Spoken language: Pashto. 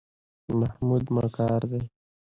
محمود مکار دی.